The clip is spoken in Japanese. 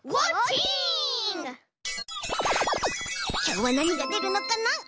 きょうはなにがでるのかな？